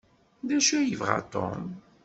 D acu ay yebɣa Tom?